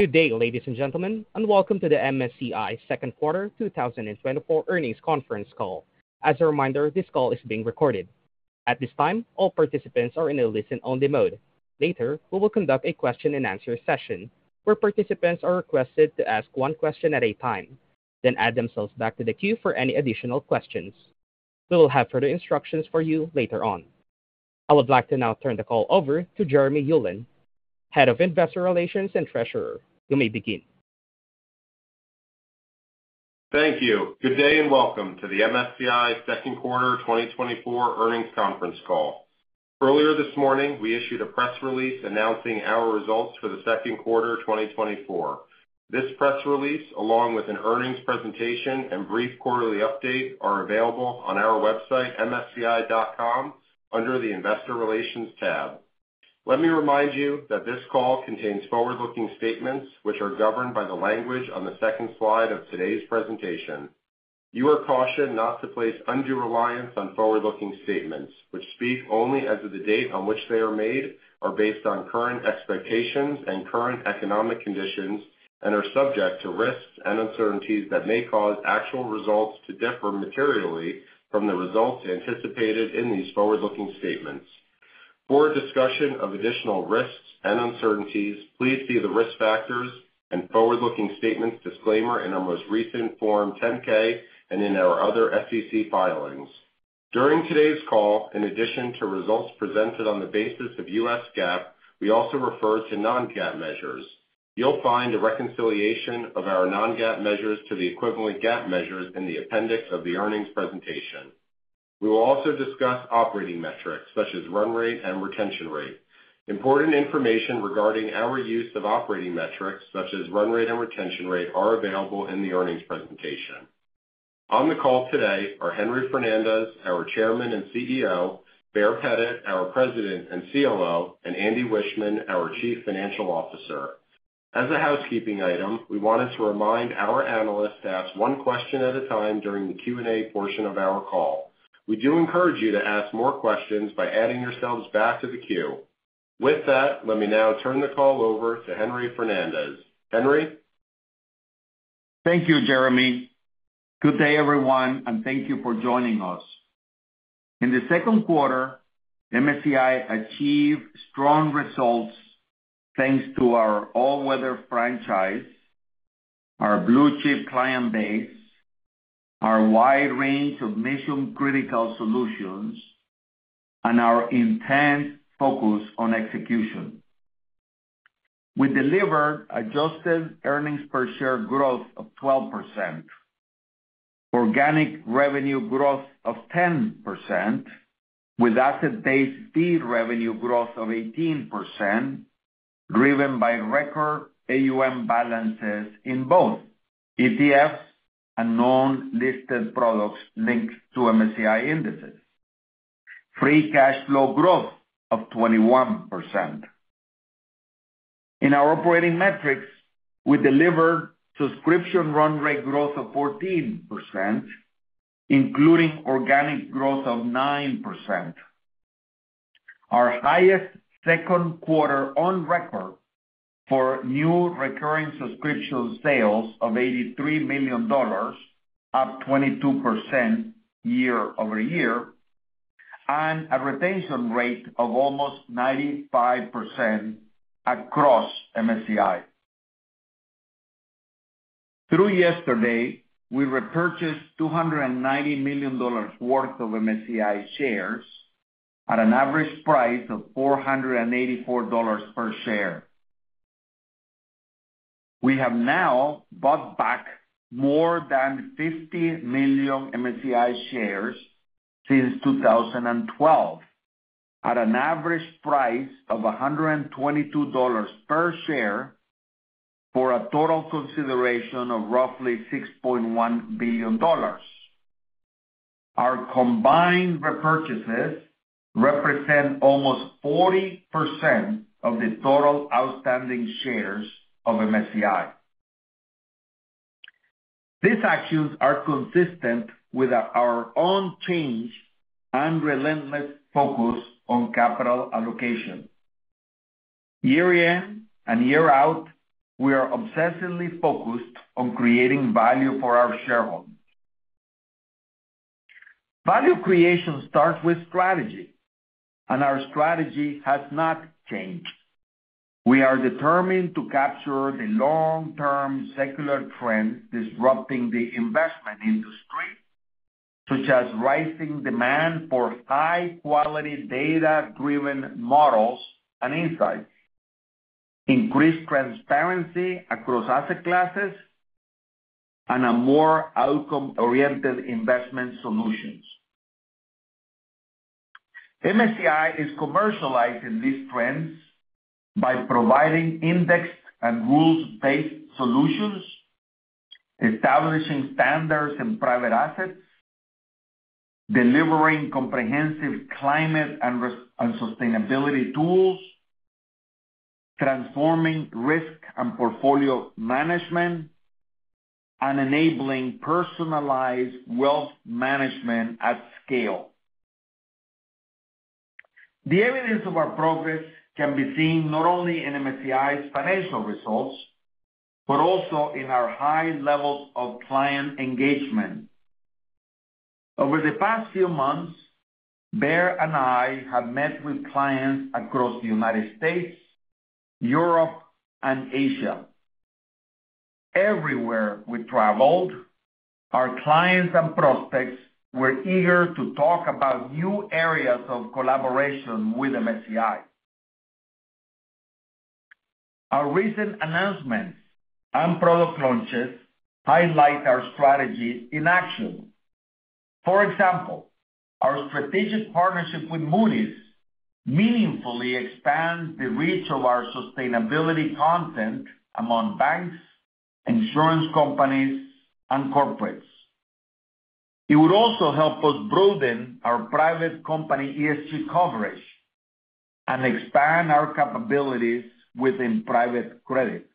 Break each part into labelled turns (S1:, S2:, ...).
S1: Good day, ladies and gentlemen, and welcome to the MSCI Second Quarter 2024 Earnings Conference Call. As a reminder, this call is being recorded. At this time, all participants are in a listen-only mode. Later, we will conduct a question-and-answer session, where participants are requested to ask one question at a time, then add themselves back to the queue for any additional questions. We will have further instructions for you later on. I would like to now turn the call over to Jeremy Ulan, Head of Investor Relations and Treasurer. You may begin.
S2: Thank you. Good day, and welcome to the MSCI Second Quarter 2024 Earnings Conference Call. Earlier this morning, we issued a press release announcing our results for the second quarter 2024. This press release, along with an earnings presentation and brief quarterly update, are available on our website, MSCI.com, under the Investor Relations tab. Let me remind you that this call contains forward-looking statements which are governed by the language on the second slide of today's presentation. You are cautioned not to place undue reliance on forward-looking statements, which speak only as of the date on which they are made, are based on current expectations and current economic conditions, and are subject to risks and uncertainties that may cause actual results to differ materially from the results anticipated in these forward-looking statements. For a discussion of additional risks and uncertainties, please see the Risk Factors and Forward-Looking Statements disclaimer in our most recent Form 10-K and in our other SEC filings. During today's call, in addition to results presented on the basis of U.S. GAAP, we also refer to non-GAAP measures. You'll find a reconciliation of our non-GAAP measures to the equivalent GAAP measures in the appendix of the earnings presentation. We will also discuss operating metrics such as run rate and retention rate. Important information regarding our use of operating metrics, such as run rate and retention rate, are available in the earnings presentation. On the call today are Henry Fernandez, our Chairman and CEO, Baer Pettit, our President and COO, and Andy Wiechmann, our Chief Financial Officer. As a housekeeping item, we wanted to remind our analysts to ask one question at a time during the Q&A portion of our call. We do encourage you to ask more questions by adding yourselves back to the queue. With that, let me now turn the call over to Henry Fernandez. Henry?
S3: Thank you, Jeremy. Good day, everyone, and thank you for joining us. In the second quarter, MSCI achieved strong results, thanks to our all-weather franchise, our blue-chip client base, our wide range of mission-critical solutions, and our intense focus on execution. We delivered adjusted earnings per share growth of 12%, organic revenue growth of 10%, with asset-based fee revenue growth of 18%, driven by record AUM balances in both ETFs and non-listed products linked to MSCI indices. Free cash flow growth of 21%. In our operating metrics, we delivered subscription run rate growth of 14%, including organic growth of 9%. Our highest second quarter on record for new recurring subscription sales of $83 million, up 22% year-over-year, and a retention rate of almost 95% across MSCI. Through yesterday, we repurchased $290 million worth of MSCI shares at an average price of $484 per share. We have now bought back more than 50 million MSCI shares since 2012, at an average price of $122 per share, for a total consideration of roughly $6.1 billion. Our combined repurchases represent almost 40% of the total outstanding shares of MSCI. These actions are consistent with our, unchanged and relentless focus on capital allocation. Year in and year out, we are obsessively focused on creating value for our shareholders. Value creation starts with strategy, and our strategy has not changed. We are determined to capture the long-term secular trend disrupting the investment industry, such as rising demand for high-quality, data-driven models and insights, increased transparency across asset classes, and a more outcome-oriented investment solutions. MSCI is commercializing these trends by providing indexed and rules-based solutions, establishing standards in private assets, delivering comprehensive climate and ESG and sustainability tools, transforming risk and portfolio management, and enabling personalized wealth management at scale.... The evidence of our progress can be seen not only in MSCI's financial results, but also in our high levels of client engagement. Over the past few months, Baer and I have met with clients across the United States, Europe, and Asia. Everywhere we traveled, our clients and prospects were eager to talk about new areas of collaboration with MSCI. Our recent announcements and product launches highlight our strategy in action. For example, our strategic partnership with Moody's meaningfully expands the reach of our sustainability content among banks, insurance companies, and corporates. It would also help us broaden our private company ESG coverage and expand our capabilities within private credit.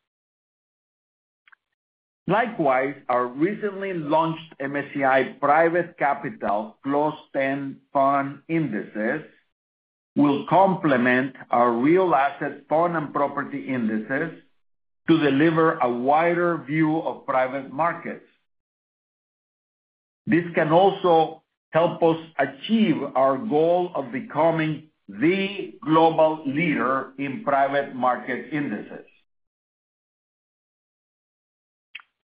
S3: Likewise, our recently launched MSCI Private Capital Closed-End Fund Indexes will complement our real asset fund and property indices to deliver a wider view of private markets. This can also help us achieve our goal of becoming the global leader in private market indices.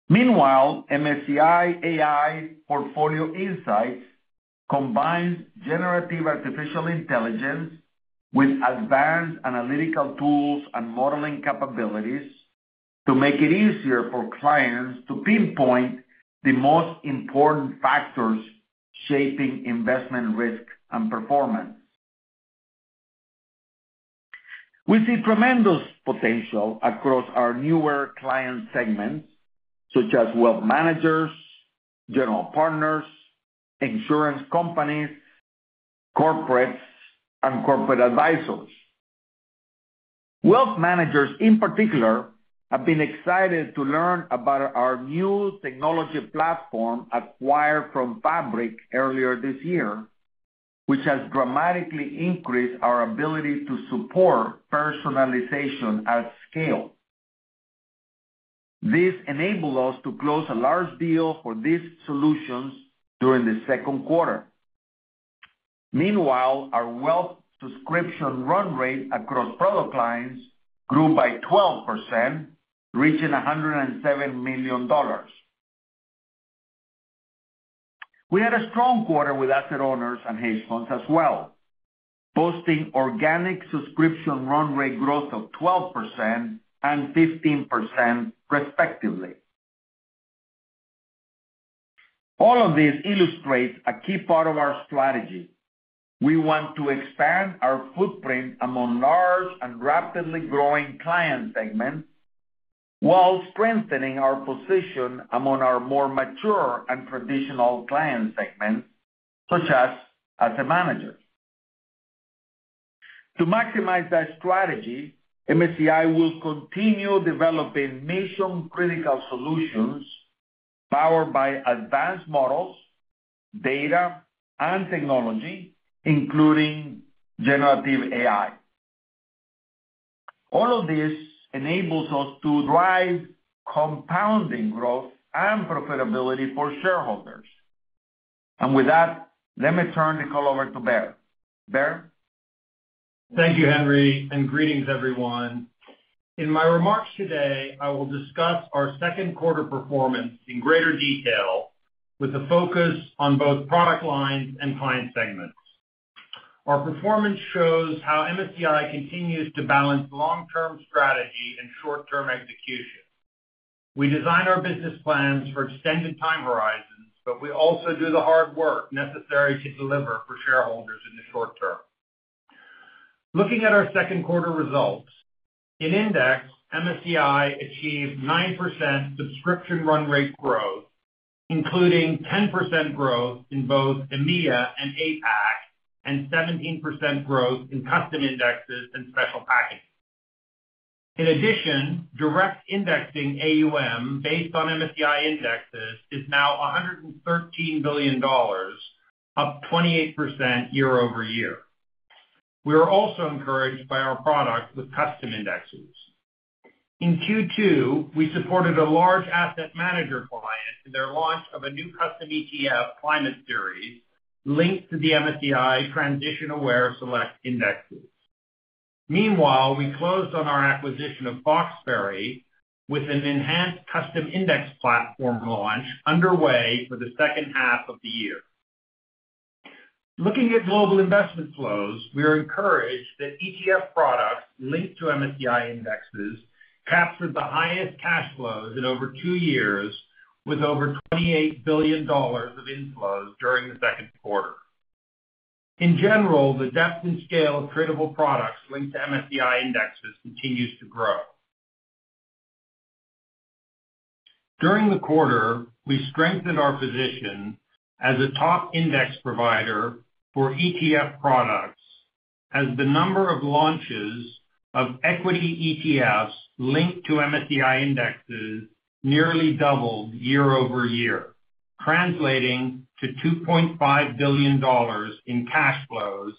S3: Meanwhile, MSCI AI Portfolio Insights combines generative artificial intelligence with advanced analytical tools and modeling capabilities to make it easier for clients to pinpoint the most important factors shaping investment risk and performance. We see tremendous potential across our newer client segments, such as wealth managers, general partners, insurance companies, corporates, and corporate advisors. Wealth managers, in particular, have been excited to learn about our new technology platform acquired from Fabric earlier this year, which has dramatically increased our ability to support personalization at scale. This enabled us to close a large deal for these solutions during the second quarter. Meanwhile, our wealth subscription run rate across product lines grew by 12%, reaching $107 million. We had a strong quarter with asset owners and hedge funds as well, posting organic subscription run rate growth of 12% and 15%, respectively. All of this illustrates a key part of our strategy. We want to expand our footprint among large and rapidly growing client segments, while strengthening our position among our more mature and traditional client segments, such as asset managers. To maximize that strategy, MSCI will continue developing mission-critical solutions powered by advanced models, data, and technology, including generative AI. All of this enables us to drive compounding growth and profitability for shareholders. With that, let me turn the call over to Baer. Baer?
S4: Thank you, Henry, and greetings everyone. In my remarks today, I will discuss our second quarter performance in greater detail, with a focus on both product lines and client segments. Our performance shows how MSCI continues to balance long-term strategy and short-term execution. We design our business plans for extended time horizons, but we also do the hard work necessary to deliver for shareholders in the short term. Looking at our second quarter results, in Index, MSCI achieved 9% subscription run rate growth, including 10% growth in both EMEA and APAC, and 17% growth in custom indexes and special pricing. In addition, direct indexing AUM based on MSCI indexes is now $113 billion, up 28% year-over-year. We are also encouraged by our products with custom indexes. In Q2, we supported a large asset manager client in their launch of a new custom ETF climate series linked to the MSCI Transition Aware Select Indexes. Meanwhile, we closed on our acquisition of Foxberry with an enhanced custom index platform launch underway for the second half of the year. Looking at global investment flows, we are encouraged that ETF products linked to MSCI indexes captured the highest cash flows in over two years, with over $28 billion of inflows during the second quarter. In general, the depth and scale of tradable products linked to MSCI indexes continues to grow. During the quarter, we strengthened our position as a top index provider for ETF products, as the number of launches of equity ETFs linked to MSCI indexes nearly doubled year-over-year. Translating to $2.5 billion in cash flows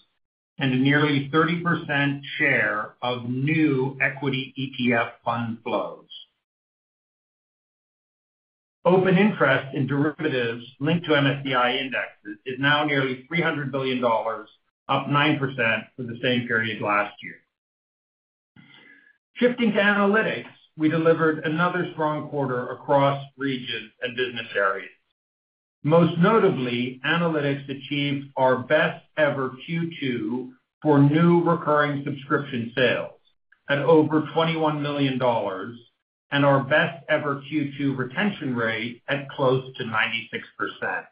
S4: and a nearly 30% share of new equity ETF fund flows. Open interest in derivatives linked to MSCI indexes is now nearly $300 billion, up 9% for the same period last year. Shifting to analytics, we delivered another strong quarter across regions and business areas. Most notably, analytics achieved our best ever Q2 for new recurring subscription sales at over $21 million, and our best ever Q2 retention rate at close to 96%.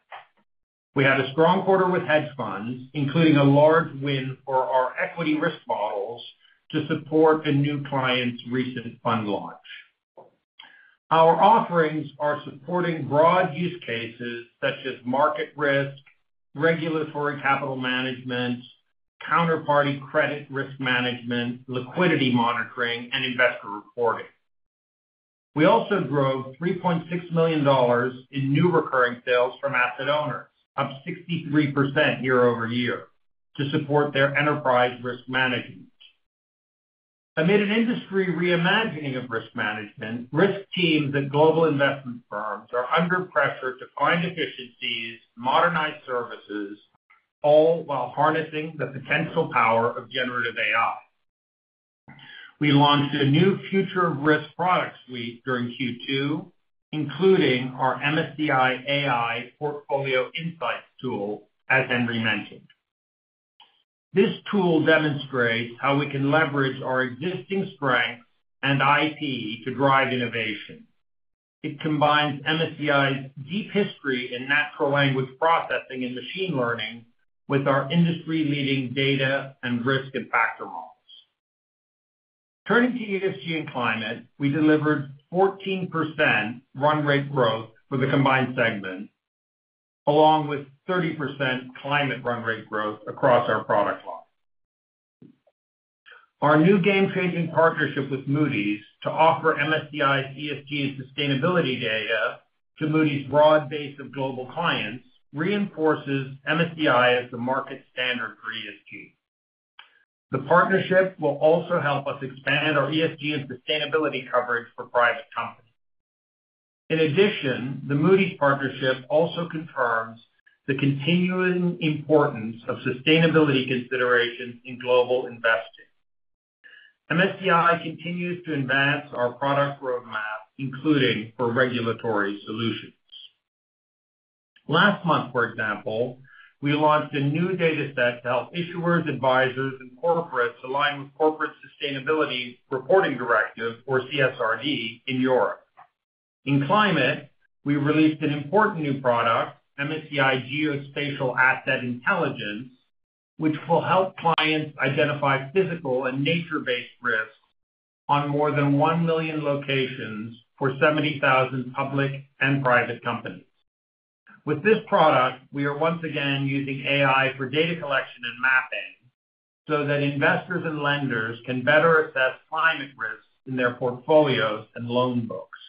S4: We had a strong quarter with hedge funds, including a large win for our equity risk models, to support a new client's recent fund launch. Our offerings are supporting broad use cases such as market risk, regulatory capital management, counterparty credit risk management, liquidity monitoring, and investor reporting. We also drove $3.6 million in new recurring sales from asset owners, up 63% year-over-year, to support their enterprise risk management. Amid an industry reimagining of risk management, risk teams at global investment firms are under pressure to find efficiencies, modernize services, all while harnessing the potential power of generative AI. We launched a new future of risk product suite during Q2, including our MSCI AI Portfolio Insights tool, as Henry mentioned. This tool demonstrates how we can leverage our existing strengths and IP to drive innovation. It combines MSCI's deep history in natural language processing and machine learning with our industry-leading data and risk and factor models. Turning to ESG and Climate, we delivered 14% run rate growth for the combined segment, along with 30% climate run rate growth across our product line. Our new game-changing partnership with Moody's to offer MSCI's ESG sustainability data to Moody's broad base of global clients reinforces MSCI as the market standard for ESG. The partnership will also help us expand our ESG and sustainability coverage for private companies. In addition, the Moody's partnership also confirms the continuing importance of sustainability considerations in global investing. MSCI continues to advance our product roadmap, including for regulatory solutions. Last month, for example, we launched a new data set to help issuers, advisors, and corporates align with Corporate Sustainability Reporting Directive, or CSRD, in Europe. In climate, we released an important new product, MSCI Geospatial Asset Intelligence, which will help clients identify physical and nature-based risks on more than 1 million locations for 70,000 public and private companies. With this product, we are once again using AI for data collection and mapping, so that investors and lenders can better assess climate risks in their portfolios and loan books.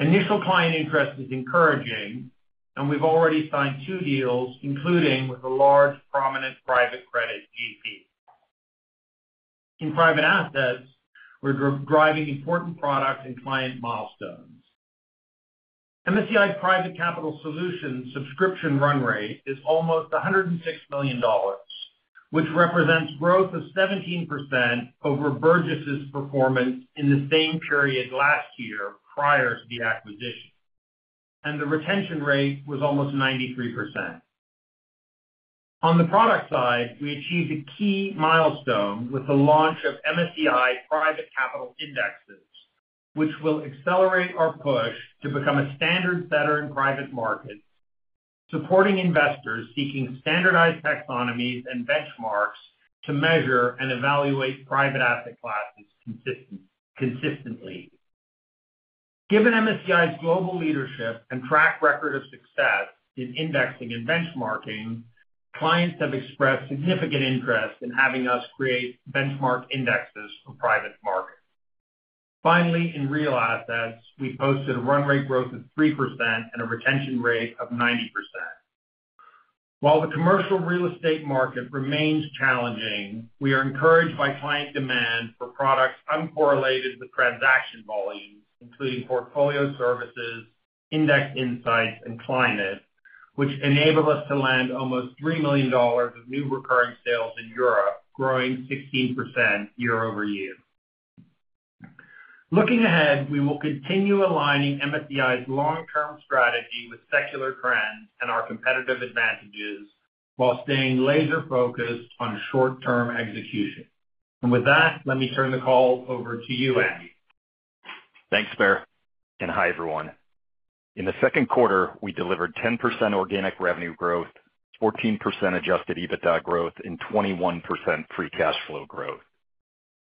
S4: Initial client interest is encouraging, and we've already signed two deals, including with a large prominent private credit GP. In private assets, we're driving important products and client milestones. MSCI Private Capital Solutions subscription run rate is almost $106 million, which represents growth of 17% over Burgiss's performance in the same period last year, prior to the acquisition, and the retention rate was almost 93%. On the product side, we achieved a key milestone with the launch of MSCI Private Capital Indexes, which will accelerate our push to become a standard setter in private markets, supporting investors seeking standardized taxonomies and benchmarks to measure and evaluate private asset classes consistently. Given MSCI's global leadership and track record of success in indexing and benchmarking, clients have expressed significant interest in having us create benchmark indexes for private markets. Finally, in real assets, we posted a run rate growth of 3% and a retention rate of 90%. While the commercial real estate market remains challenging, we are encouraged by client demand for products uncorrelated with transaction volumes, including portfolio services, index insights, and climate, which enable us to land almost $3 million of new recurring sales in Europe, growing 16% year-over-year. Looking ahead, we will continue aligning MSCI's long-term strategy with secular trends and our competitive advantages, while staying laser focused on short-term execution. And with that, let me turn the call over to you, Andy.
S5: Thanks, Baer, and hi, everyone. In the second quarter, we delivered 10% organic revenue growth, 14% adjusted EBITDA growth, and 21% free cash flow growth.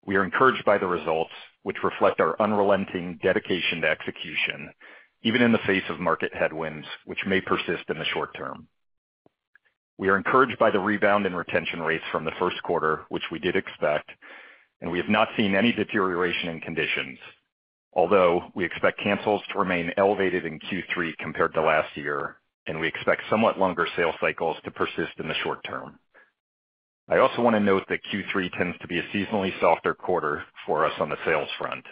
S5: We are encouraged by the results, which reflect our unrelenting dedication to execution, even in the face of market headwinds, which may persist in the short term.... We are encouraged by the rebound in retention rates from the first quarter, which we did expect, and we have not seen any deterioration in conditions. Although, we expect cancels to remain elevated in Q3 compared to last year, and we expect somewhat longer sales cycles to persist in the short term. I also want to note that Q3 tends to be a seasonally softer quarter for us on the sales front.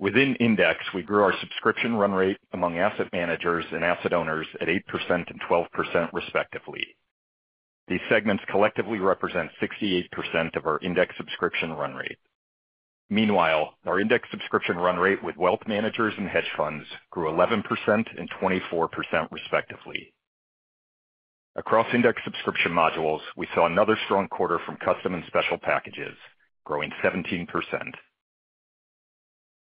S5: Within Index, we grew our subscription run rate among asset managers and asset owners at 8% and 12%, respectively. These segments collectively represent 68% of our Index subscription run rate. Meanwhile, our Index subscription run rate with wealth managers and hedge funds grew 11% and 24%, respectively. Across Index subscription modules, we saw another strong quarter from custom and special packages, growing 17%.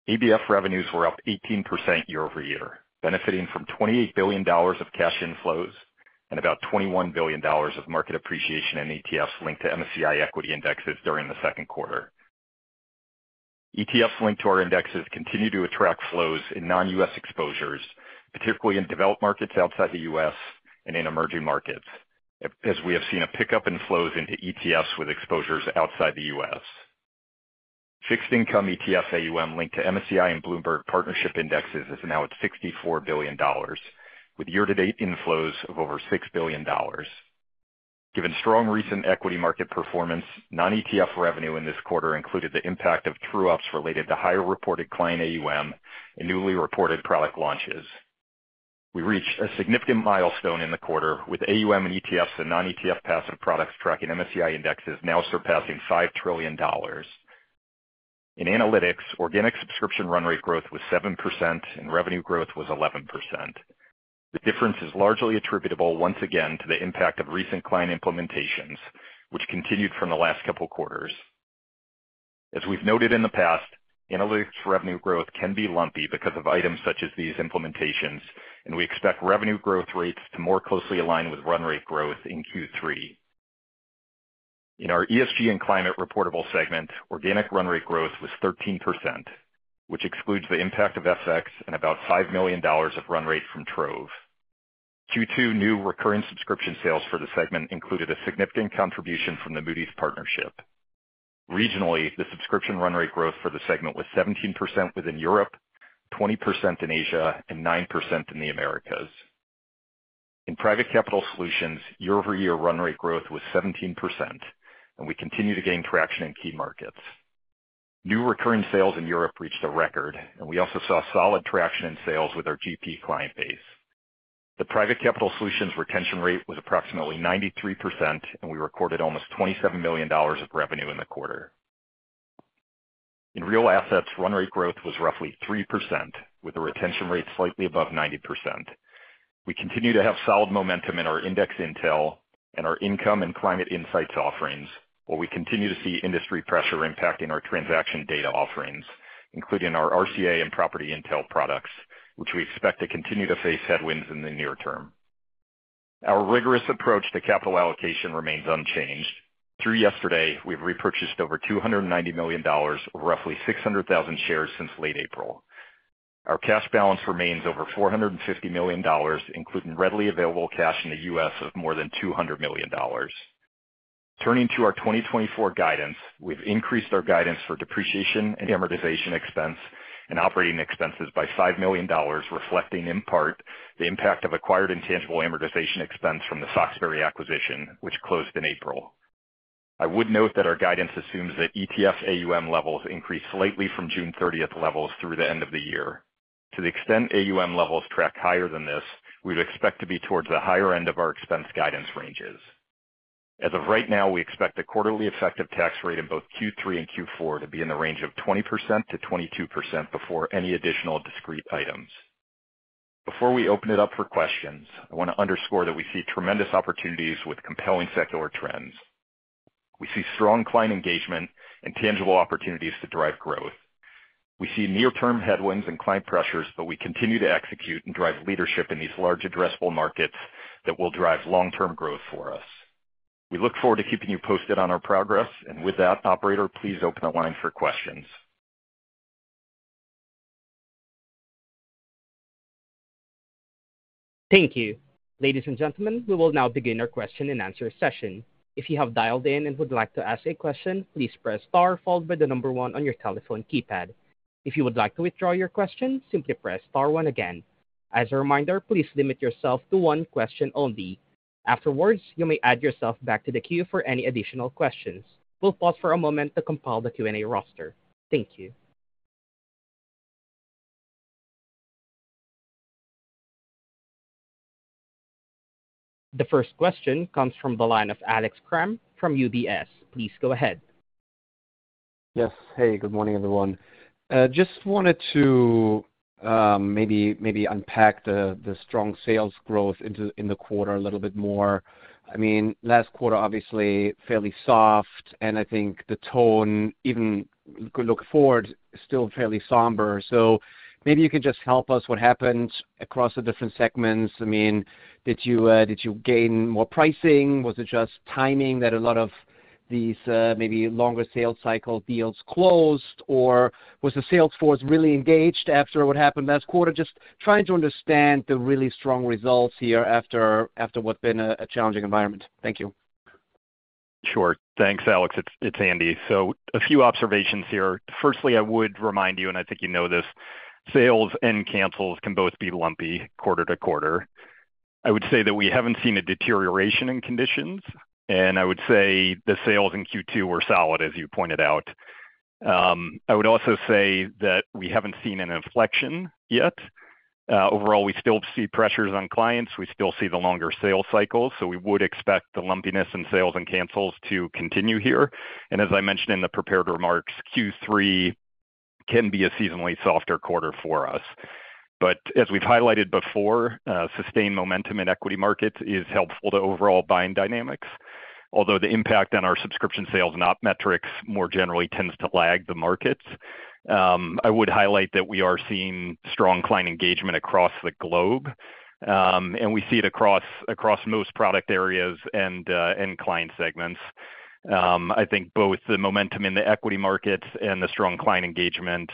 S5: ABF revenues were up 18% year-over-year, benefiting from $28 billion of cash inflows and about $21 billion of market appreciation in ETFs linked to MSCI equity indexes during the second quarter. ETFs linked to our indexes continue to attract flows in non-U.S. exposures, particularly in developed markets outside the U.S. and in emerging markets, as we have seen a pickup in flows into ETFs with exposures outside the U.S. Fixed income ETF AUM linked to MSCI and Bloomberg partnership indexes is now at $64 billion, with year-to-date inflows of over $6 billion. Given strong recent equity market performance, non-ETF revenue in this quarter included the impact of true ups related to higher reported client AUM and newly reported product launches. We reached a significant milestone in the quarter, with AUM in ETFs and non-ETF passive products tracking MSCI indexes now surpassing $5 trillion. In analytics, organic subscription run rate growth was 7%, and revenue growth was 11%. The difference is largely attributable, once again, to the impact of recent client implementations, which continued from the last couple of quarters. As we've noted in the past, analytics revenue growth can be lumpy because of items such as these implementations, and we expect revenue growth rates to more closely align with run rate growth in Q3. In our ESG and Climate reportable segment, organic run rate growth was 13%, which excludes the impact of FX and about $5 million of run rate from Trove. Q2 new recurring subscription sales for the segment included a significant contribution from the Moody's partnership. Regionally, the subscription run rate growth for the segment was 17% within Europe, 20% in Asia, and 9% in the Americas. In Private Capital Solutions, year-over-year run rate growth was 17%, and we continue to gain traction in key markets. New recurring sales in Europe reached a record, and we also saw solid traction in sales with our GP client base. The Private Capital Solutions retention rate was approximately 93%, and we recorded almost $27 million of revenue in the quarter. In Real Assets, run rate growth was roughly 3%, with the retention rate slightly above 90%. We continue to have solid momentum in our Index Intel and our Income and Climate Insights offerings, while we continue to see industry pressure impacting our transaction data offerings, including our RCA and Property Intel products, which we expect to continue to face headwinds in the near term. Our rigorous approach to capital allocation remains unchanged. Through yesterday, we've repurchased over $290 million, or roughly 600,000 shares since late April. Our cash balance remains over $450 million, including readily available cash in the U.S. of more than $200 million. Turning to our 2024 guidance, we've increased our guidance for depreciation and amortization expense and operating expenses by $5 million, reflecting in part the impact of acquired intangible amortization expense from the Foxberry acquisition, which closed in April. I would note that our guidance assumes that ETF AUM levels increase slightly from June 30 levels through the end of the year. To the extent AUM levels track higher than this, we'd expect to be towards the higher end of our expense guidance ranges. As of right now, we expect a quarterly effective tax rate in both Q3 and Q4 to be in the range of 20%-22% before any additional discrete items. Before we open it up for questions, I want to underscore that we see tremendous opportunities with compelling secular trends. We see strong client engagement and tangible opportunities to drive growth. We see near-term headwinds and client pressures, but we continue to execute and drive leadership in these large addressable markets that will drive long-term growth for us. We look forward to keeping you posted on our progress. With that, operator, please open the line for questions.
S1: Thank you. Ladies and gentlemen, we will now begin our question-and-answer session. If you have dialed in and would like to ask a question, please press star, followed by the number one on your telephone keypad. If you would like to withdraw your question, simply press star one again. As a reminder, please limit yourself to one question only. Afterwards, you may add yourself back to the queue for any additional questions. We'll pause for a moment to compile the Q&A roster. Thank you. The first question comes from the line of Alex Kramm from UBS. Please go ahead.
S6: Yes. Hey, good morning, everyone. Just wanted to maybe unpack the strong sales growth in the quarter a little bit more. I mean, last quarter, obviously, fairly soft, and I think the tone, even if we look forward, is still fairly somber. So maybe you could just help us, what happened across the different segments? I mean, did you gain more pricing? Was it just timing that a lot of these, maybe longer sales cycle deals closed, or was the sales force really engaged after what happened last quarter? Just trying to understand the really strong results here after what's been a challenging environment. Thank you.
S5: Sure. Thanks, Alex. It's Andy. So a few observations here. Firstly, I would remind you, and I think you know this, sales and cancels can both be lumpy quarter to quarter. I would say that we haven't seen a deterioration in conditions, and I would say the sales in Q2 were solid, as you pointed out. I would also say that we haven't seen an inflection yet. Overall, we still see pressures on clients. We still see the longer sales cycles, so we would expect the lumpiness in sales and cancels to continue here. And as I mentioned in the prepared remarks, Q3 can be a seasonally softer quarter for us. But as we've highlighted before, sustained momentum in equity markets is helpful to overall buying dynamics, although the impact on our subscription sales, net metrics, more generally tends to lag the markets. I would highlight that we are seeing strong client engagement across the globe, and we see it across most product areas and client segments. I think both the momentum in the equity markets and the strong client engagement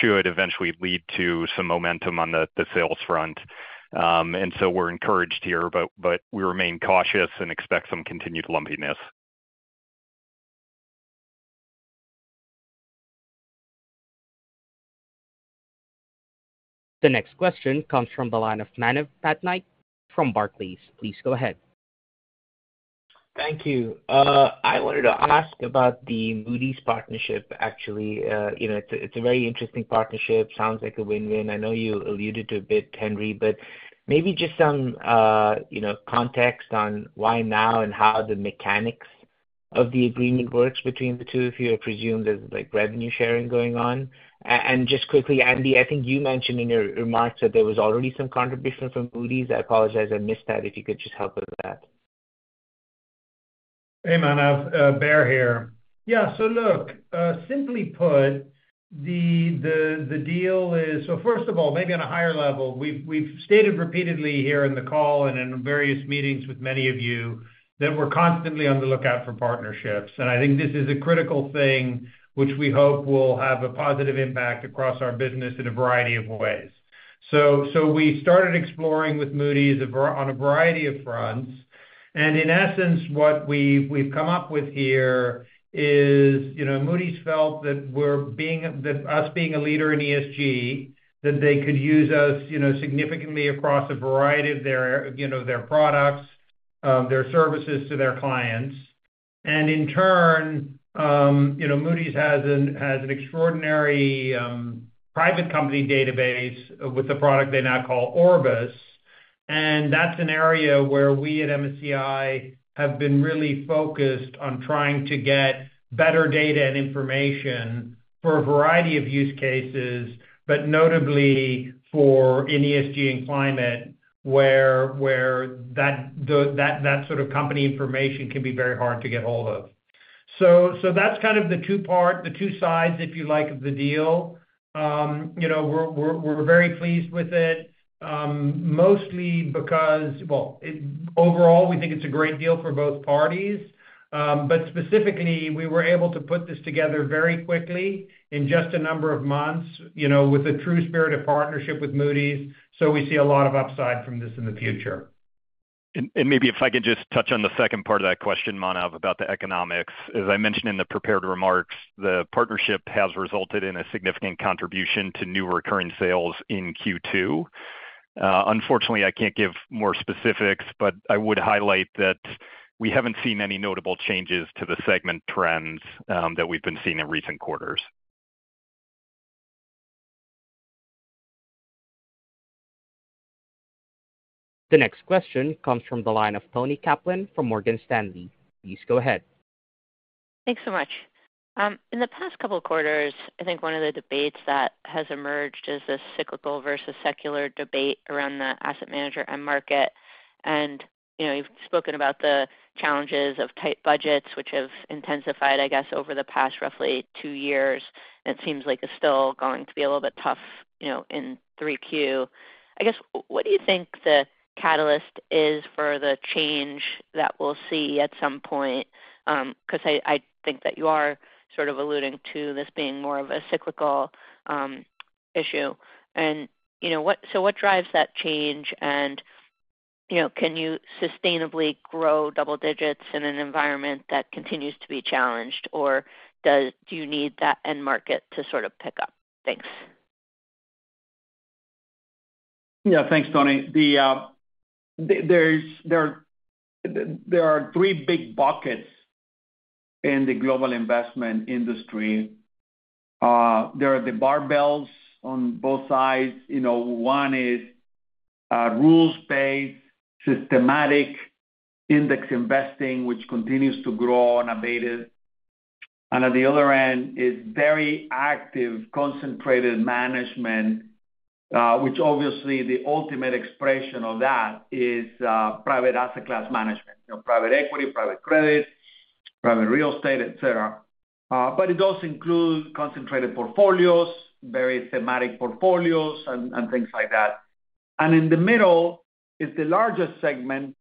S5: should eventually lead to some momentum on the sales front. And so we're encouraged here, but we remain cautious and expect some continued lumpiness.
S1: The next question comes from the line of Manav Patnaik from Barclays. Please go ahead.
S7: Thank you. I wanted to ask about the Moody’s partnership, actually. You know, it's a, it's a very interesting partnership, sounds like a win-win. I know you alluded to a bit, Henry, but maybe just some, you know, context on why now and how the mechanics of the agreement works between the two of you. I presume there's, like, revenue sharing going on. And just quickly, Andy, I think you mentioned in your remarks that there was already some contribution from Moody’s. I apologize I missed that, if you could just help with that.
S4: Hey, Manav, Baer here. Yeah, so look, simply put, the deal is. So first of all, maybe on a higher level, we've stated repeatedly here in the call and in various meetings with many of you that we're constantly on the lookout for partnerships. And I think this is a critical thing which we hope will have a positive impact across our business in a variety of ways. So we started exploring with Moody’s on a variety of fronts, and in essence, what we've come up with here is, you know, Moody’s felt that we're being, that us being a leader in ESG, that they could use us, you know, significantly across a variety of their, you know, their products, their services to their clients. And in turn, you know, Moody's has an extraordinary private company database with a product they now call Orbis, and that's an area where we at MSCI have been really focused on trying to get better data and information for a variety of use cases, but notably for in ESG and Climate, where that sort of company information can be very hard to get ahold of. So that's kind of the two part, the two sides, if you like, of the deal. You know, we're very pleased with it, mostly because... Well, it- overall, we think it's a great deal for both parties. But specifically, we were able to put this together very quickly in just a number of months, you know, with a true spirit of partnership with Moody's, so we see a lot of upside from this in the future.
S5: And maybe if I could just touch on the second part of that question, Manav, about the economics. As I mentioned in the prepared remarks, the partnership has resulted in a significant contribution to new recurring sales in Q2. Unfortunately, I can't give more specifics, but I would highlight that we haven't seen any notable changes to the segment trends that we've been seeing in recent quarters.
S1: The next question comes from the line of Toni Kaplan from Morgan Stanley. Please go ahead.
S8: Thanks so much. In the past couple of quarters, I think one of the debates that has emerged is this cyclical versus secular debate around the asset manager end market. And, you know, you've spoken about the challenges of tight budgets, which have intensified, I guess, over the past roughly two years, and it seems like it's still going to be a little bit tough, you know, in 3Q. I guess, what do you think the catalyst is for the change that we'll see at some point? Because I think that you are sort of alluding to this being more of a cyclical issue. And, you know, so what drives that change? And, you know, can you sustainably grow double digits in an environment that continues to be challenged, or do you need that end market to sort of pick up? Thanks.
S3: Yeah, thanks, Toni. There are three big buckets in the global investment industry. There are the barbells on both sides. You know, one is rules-based, systematic index investing, which continues to grow unabated. And on the other end is very active, concentrated management, which obviously the ultimate expression of that is private asset class management, you know, private equity, private credit, private real estate, et cetera. But it also includes concentrated portfolios, very thematic portfolios and things like that. And in the middle is the largest segment,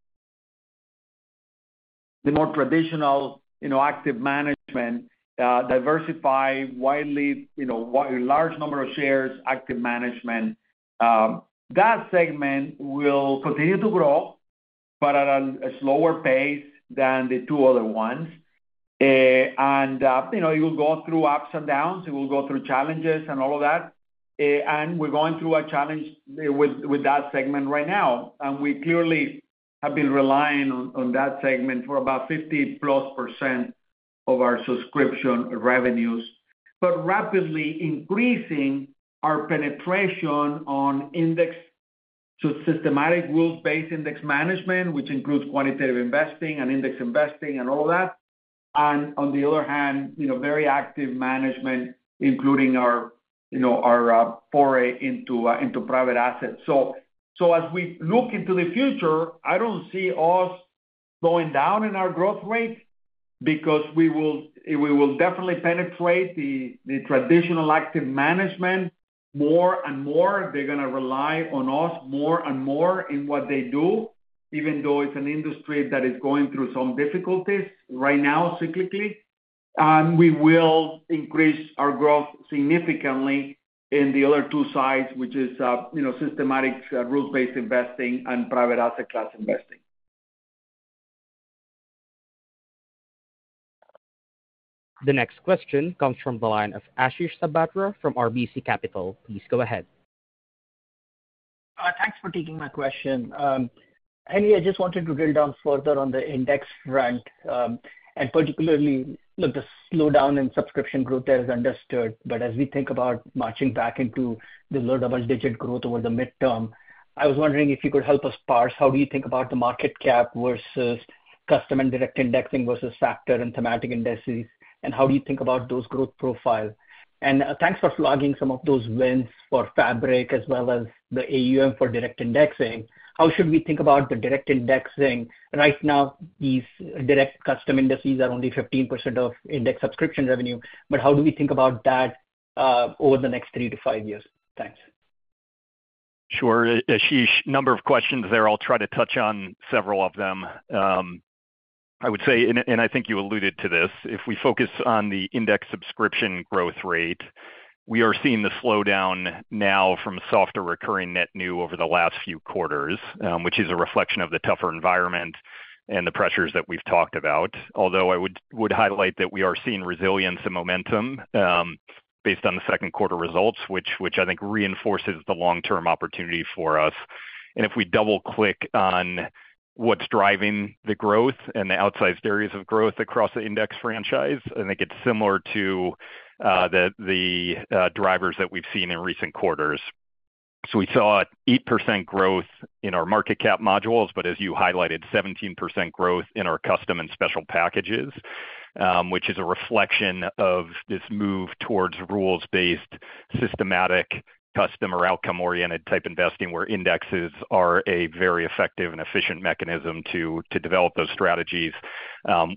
S3: the more traditional, you know, active management, diversify widely, you know, a large number of shares, active management. That segment will continue to grow, but at a slower pace than the two other ones. And, you know, it will go through ups and downs, it will go through challenges and all of that, and we're going through a challenge with that segment right now, and we clearly have been relying on that segment for about 50%+ of our subscription revenues. But rapidly increasing our penetration on index to systematic rules-based index management, which includes quantitative investing and index investing and all that. And on the other hand, you know, very active management, including our, you know, our foray into private assets. So as we look into the future, I don't see us going down in our growth rate because we will definitely penetrate the traditional active management more and more. They're gonna rely on us more and more in what they do, even though it's an industry that is going through some difficulties right now, cyclically. And we will increase our growth significantly in the other two sides, which is, you know, systematic rules-based investing and private asset class investing.
S1: The next question comes from the line of Ashish Sabadra from RBC Capital. Please go ahead.
S9: Thanks for taking my question. Henry, I just wanted to drill down further on the index front, and particularly, look, the slowdown in subscription growth there is understood. But as we think about marching back into the low double-digit growth over the midterm, I was wondering if you could help us parse, how do you think about the market cap versus custom and direct indexing versus factor and thematic indices, and how do you think about those growth profile? And, thanks for flogging some of those wins for Fabric as well as the AUM for direct indexing. How should we think about the direct indexing? Right now, these direct custom indices are only 15% of index subscription revenue, but how do we think about that, over the next three to five years? Thanks.
S5: Sure. Ashish, number of questions there. I'll try to touch on several of them. I would say, and I think you alluded to this, if we focus on the index subscription growth rate, we are seeing the slowdown now from softer recurring net new over the last few quarters, which is a reflection of the tougher environment and the pressures that we've talked about. Although I would highlight that we are seeing resilience and momentum, based on the second quarter results, which I think reinforces the long-term opportunity for us. And if we double-click on what's driving the growth and the outsized areas of growth across the index franchise, I think it's similar to the drivers that we've seen in recent quarters. So we saw 8% growth in our market cap modules, but as you highlighted, 17% growth in our custom and special packages, which is a reflection of this move towards rules-based, systematic, custom or outcome-oriented type investing, where indexes are a very effective and efficient mechanism to develop those strategies.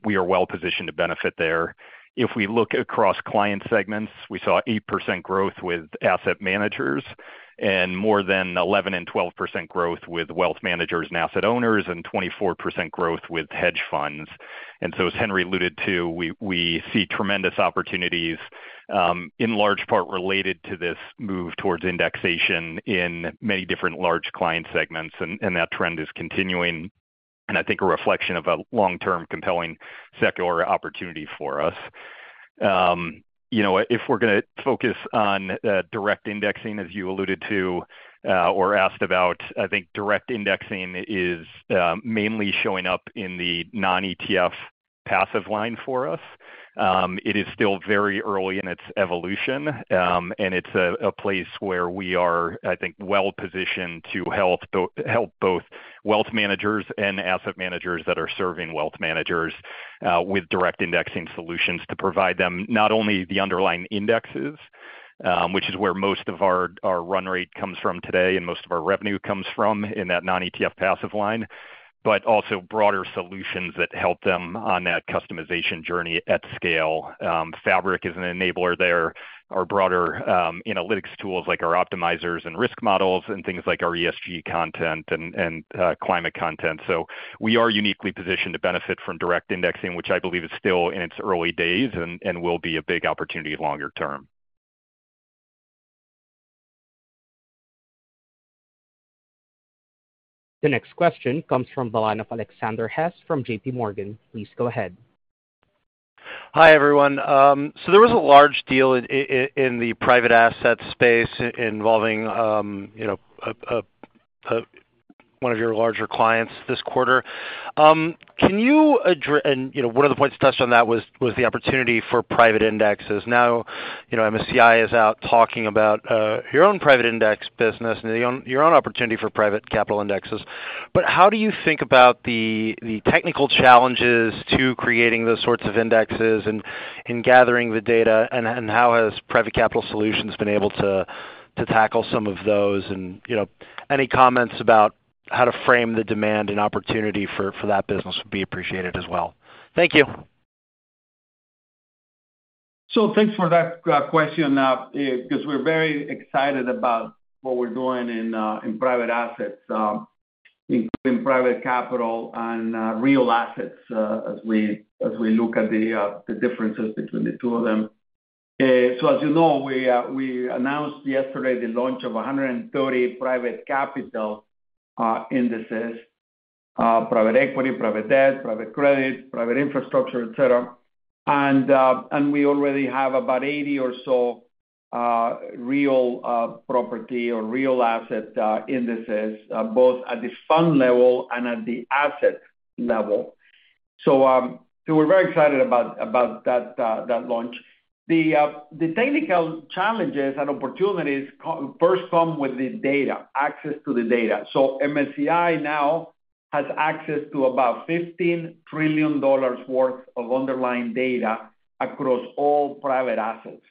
S5: We are well positioned to benefit there. If we look across client segments, we saw 8% growth with asset managers, and more than 11% and 12% growth with wealth managers and asset owners, and 24% growth with hedge funds. As Henry alluded to, we see tremendous opportunities, in large part related to this move towards indexation in many different large client segments, and that trend is continuing, and I think a reflection of a long-term, compelling secular opportunity for us. You know what? If we're gonna focus on direct indexing, as you alluded to or asked about, I think direct indexing is mainly showing up in the non-ETF passive line for us. It is still very early in its evolution, and it's a place where we are, I think, well-positioned to help both wealth managers and asset managers that are serving wealth managers with direct indexing solutions, to provide them not only the underlying indexes, which is where most of our run rate comes from today and most of our revenue comes from in that non-ETF passive line, but also broader solutions that help them on that customization journey at scale. Fabric is an enabler there. Our broader analytics tools, like our optimizers and risk models and things like our ESG content and climate content. We are uniquely positioned to benefit from direct indexing, which I believe is still in its early days and will be a big opportunity longer term.
S1: The next question comes from the line of Alexander Hess from JPMorgan. Please go ahead.
S10: Hi, everyone. So there was a large deal in the private asset space involving, you know, one of your larger clients this quarter. Can you address - and, you know, one of the points touched on that was the opportunity for private indexes. Now, you know, MSCI is out talking about your own private index business and your own opportunity for private capital indexes. But how do you think about the technical challenges to creating those sorts of indexes and gathering the data, and how has Private Capital Solutions been able to tackle some of those? And, you know, any comments about how to frame the demand and opportunity for that business would be appreciated as well. Thank you.
S3: So thanks for that question, because we're very excited about what we're doing in private assets, including private capital and real assets, as we look at the differences between the two of them. So as you know, we announced yesterday the launch of 130 private capital indices, private equity, private debt, private credit, private infrastructure, et cetera. And we already have about 80 or so real property or real asset indices, both at the fund level and at the asset level. So we're very excited about that launch. The technical challenges and opportunities first come with the data, access to the data. So MSCI now has access to about $15 trillion worth of underlying data across all private assets.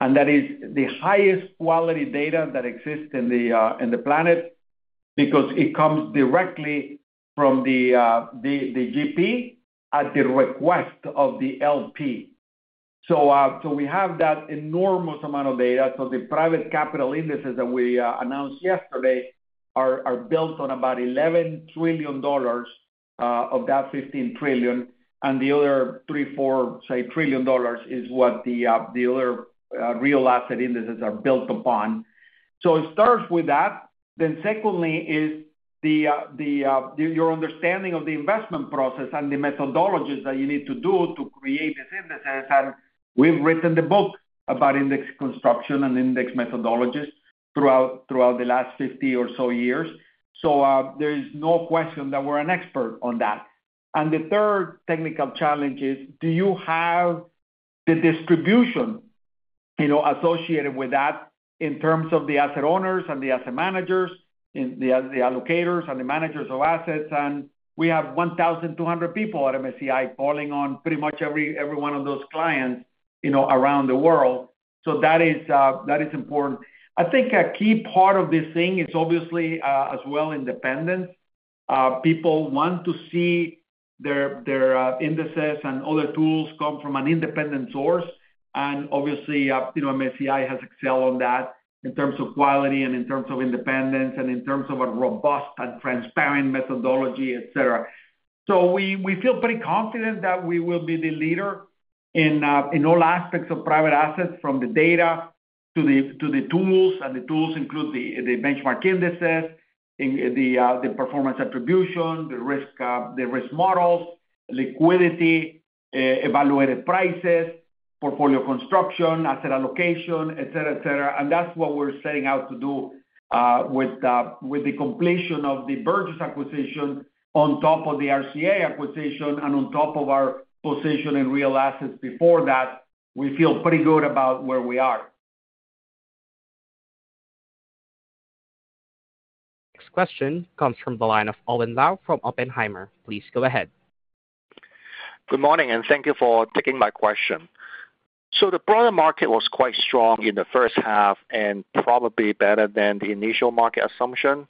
S3: And that is the highest quality data that exists in the planet, because it comes directly from the GP at the request of the LP. So we have that enormous amount of data. So the private capital indices that we announced yesterday are built on about $11 trillion of that $15 trillion, and the other 3-4, say, $1 trillion is what the other real asset indices are built upon. So it starts with that. Then secondly, is the your understanding of the investment process and the methodologies that you need to do to create these indices. We've written the book about index construction and index methodologies throughout the last 50 or so years, so there is no question that we're an expert on that. The third technical challenge is, do you have the distribution, you know, associated with that in terms of the asset owners and the asset managers, in the allocators and the managers of assets? We have 1,200 people at MSCI calling on pretty much every one of those clients, you know, around the world. So that is important. I think a key part of this thing is obviously, as well, independence. People want to see their indices and other tools come from an independent source. And obviously, you know, MSCI has excelled on that in terms of quality and in terms of independence and in terms of a robust and transparent methodology, et cetera. So we, we feel pretty confident that we will be the leader in, in all aspects of private assets, from the data to the, to the tools, and the tools include the, the benchmark indices, in the, the performance attribution, the risk, the risk models, liquidity, evaluated prices, portfolio construction, asset allocation, et cetera. And that's what we're setting out to do, with the, with the completion of the Burgiss acquisition on top of the RCA acquisition and on top of our position in real assets before that. We feel pretty good about where we are.
S1: Next question comes from the line of Owen Lau from Oppenheimer. Please go ahead.
S11: Good morning, and thank you for taking my question. The broader market was quite strong in the first half and probably better than the initial market assumption.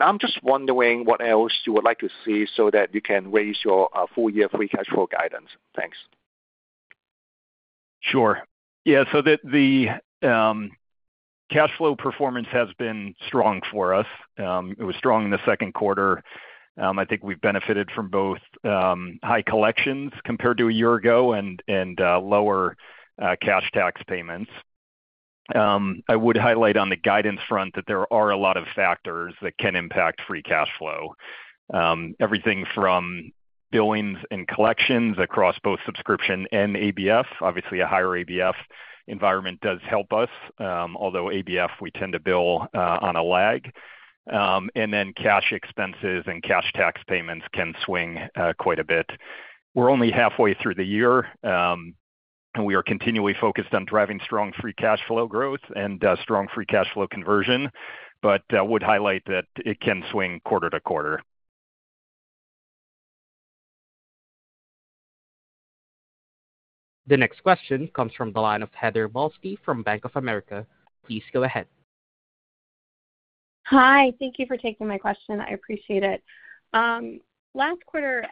S11: I'm just wondering what else you would like to see so that you can raise your full year free cash flow guidance. Thanks.
S5: Sure. Yeah, so the cash flow performance has been strong for us. It was strong in the second quarter. I think we've benefited from both high collections compared to a year ago and lower cash tax payments. I would highlight on the guidance front that there are a lot of factors that can impact free cash flow. Everything from billings and collections across both subscription and ABF. Obviously, a higher ABF environment does help us, although ABF, we tend to bill on a lag. And then cash expenses and cash tax payments can swing quite a bit. We're only halfway through the year, and we are continually focused on driving strong free cash flow growth and strong free cash flow conversion, but would highlight that it can swing quarter to quarter.
S1: The next question comes from the line of Heather Balsky from Bank of America. Please go ahead.
S12: Hi, thank you for taking my question. I appreciate it. Last quarter,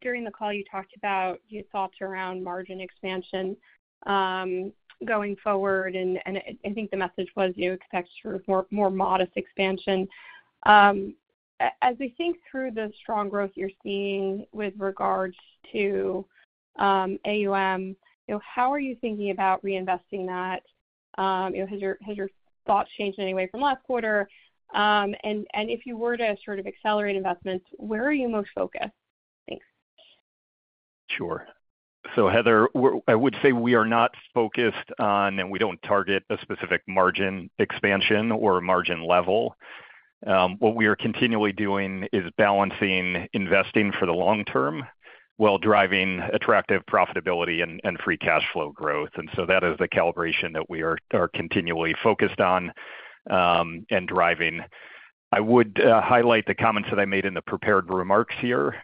S12: during the call, you talked about your thoughts around margin expansion, going forward, and I think the message was you expect sort of more modest expansion. As we think through the strong growth you're seeing with regards to AUM, you know, how are you thinking about reinvesting that? You know, has your thoughts changed in any way from last quarter? And if you were to sort of accelerate investments, where are you most focused? Thanks.
S5: Sure. So, Heather, I would say we are not focused on, and we don't target a specific margin expansion or margin level. What we are continually doing is balancing investing for the long term while driving attractive profitability and free cash flow growth. And so that is the calibration that we are continually focused on, and driving. I would highlight the comments that I made in the prepared remarks here,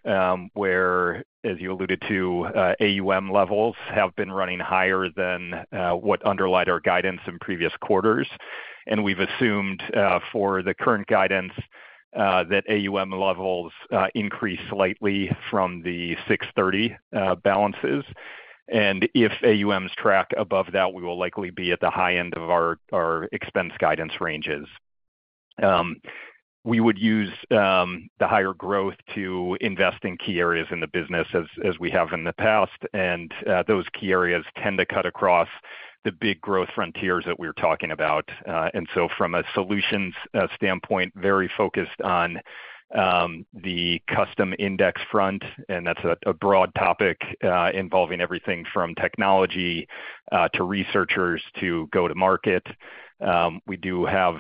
S5: where, as you alluded to, AUM levels have been running higher than what underlay our guidance in previous quarters, and we've assumed, for the current guidance, that AUM levels increase slightly from the $630 balances. And if AUM track above that, we will likely be at the high end of our expense guidance ranges. We would use the higher growth to invest in key areas in the business as we have in the past, and those key areas tend to cut across the big growth frontiers that we're talking about. And so from a solutions standpoint, very focused on the custom index front, and that's a broad topic involving everything from technology to researchers to go-to-market. We do have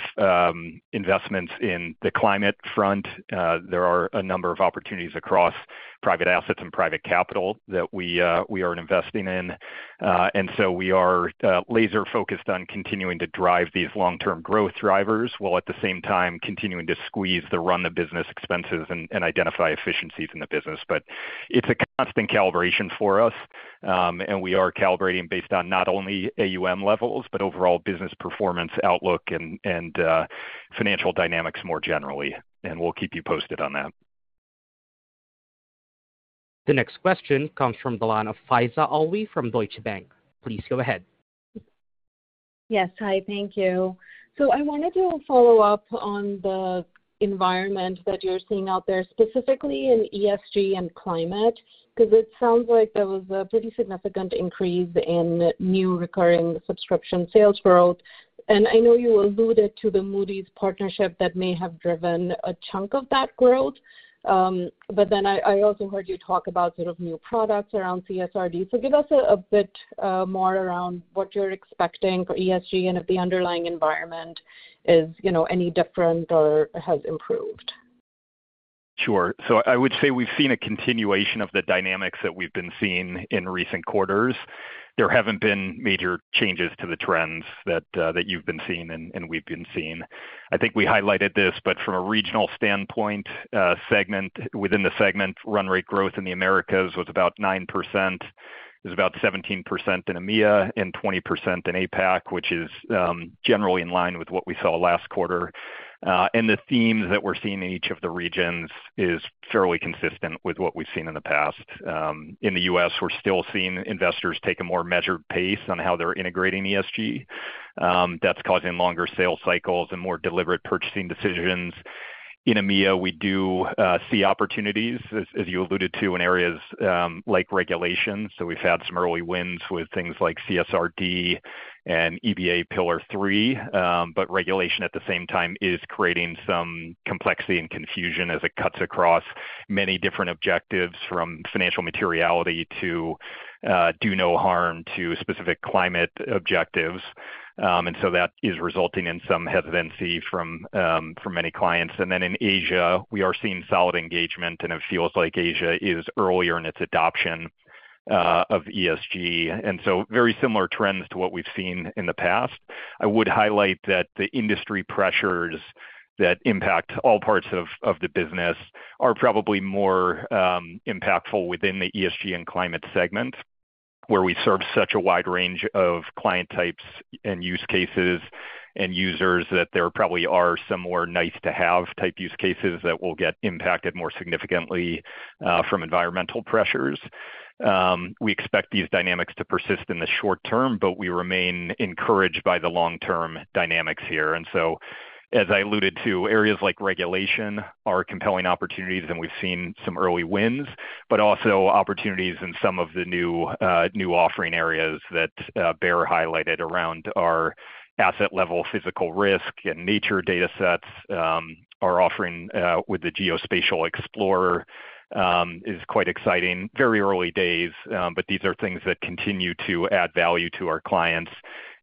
S5: investments in the climate front. There are a number of opportunities across private assets and private capital that we are investing in. And so we are laser-focused on continuing to drive these long-term growth drivers, while at the same time continuing to squeeze the run of business expenses and identify efficiencies in the business. But it's a constant calibration for us, and we are calibrating based on not only AUM levels, but overall business performance, outlook, and financial dynamics more generally. And we'll keep you posted on that.
S1: The next question comes from the line of Faiza Alwy from Deutsche Bank. Please go ahead.
S13: Yes. Hi, thank you. So I wanted to follow up on the environment that you're seeing out there, specifically in ESG and Climate, 'cause it sounds like there was a pretty significant increase in new recurring subscription sales growth. And I know you alluded to the Moody's partnership that may have driven a chunk of that growth. But then I also heard you talk about sort of new products around CSRD. So give us a bit more around what you're expecting for ESG and if the underlying environment is, you know, any different or has improved.
S5: Sure. So I would say we've seen a continuation of the dynamics that we've been seeing in recent quarters. There haven't been major changes to the trends that that you've been seeing and we've been seeing. I think we highlighted this, but from a regional standpoint, segment within the segment, run rate growth in the Americas was about 9%. It was about 17% in EMEA and 20% in APAC, which is generally in line with what we saw last quarter. And the themes that we're seeing in each of the regions is fairly consistent with what we've seen in the past. In the US, we're still seeing investors take a more measured pace on how they're integrating ESG. That's causing longer sales cycles and more deliberate purchasing decisions. In EMEA, we do see opportunities, as you alluded to, in areas like regulation. So we've had some early wins with things like CSRD and EBA Pillar 3, but regulation at the same time is creating some complexity and confusion as it cuts across many different objectives, from financial materiality to do no harm to specific climate objectives. And so that is resulting in some hesitancy from many clients. And then in Asia, we are seeing solid engagement, and it feels like Asia is earlier in its adoption of ESG. And so very similar trends to what we've seen in the past. I would highlight that the industry pressures that impact all parts of the business are probably more impactful within the ESG and Climate segment, where we serve such a wide range of client types and use cases and users, that there probably are some more nice-to-have type use cases that will get impacted more significantly from environmental pressures. We expect these dynamics to persist in the short term, but we remain encouraged by the long-term dynamics here. And so, as I alluded to, areas like regulation are compelling opportunities, and we've seen some early wins, but also opportunities in some of the new offering areas that Baer highlighted around our asset-level physical risk and nature data sets. Our offering with the Geospatial Explorer is quite exciting. Very early days, but these are things that continue to add value to our clients.